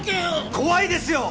怖いですよ！